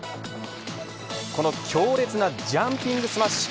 この強烈なジャンピングスマッシュ。